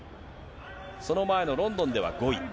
その前のロンドンでは５位。